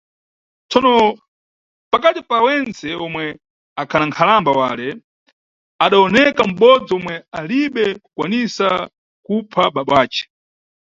Tsono, pakati pa wentse omwe akhana nkhalamba wale, adawoneka m`bodzi omwe alibe kukwanisa kupha baba wace.